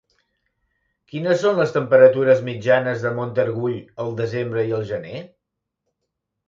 Quines són les temperatures mitjanes de Montargull al desembre i al gener?